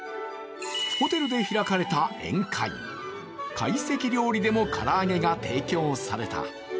ホテルで開かれた宴会、会席料理でも唐揚げが提供された。